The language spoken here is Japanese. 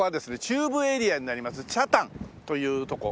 中部エリアになります北谷というとこ